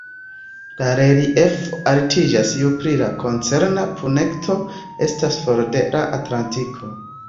La reliefo altiĝas ju pli la koncerna punkto estas for de la atlantiko.